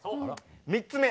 ３つ目。